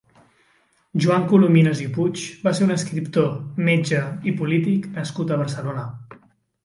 Joan Colomines i Puig va ser un escriptor, metge i polític nascut a Barcelona.